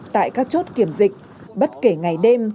tại các chốt kiểm dịch bất kể ngày đêm